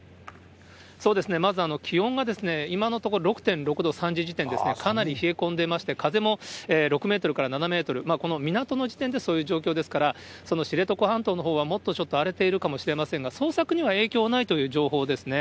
そうですね、まず、気温が今のところ６．６度、３時時点で、かなり冷え込んでまして、風も６メートルから７メートル、この港の時点でそういう状況ですから、知床半島のほうはもっとちょっと荒れているかもしれませんが、捜索には影響ないという情報ですね。